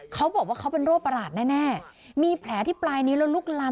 เขาบอกว่าเขาเป็นโรคประหลาดแน่มีแผลที่ปลายนิ้วแล้วลุกล้ำ